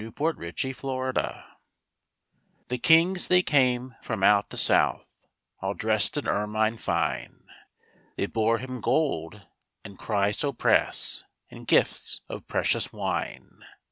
Christmas Carol The kings they came from out the south, All dressed in ermine fine, They bore Him gold and chrysoprase, And gifts of precious wine.